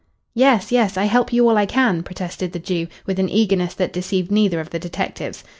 "Yes yes. I help you all I can," protested the Jew, with an eagerness that deceived neither of the detectives.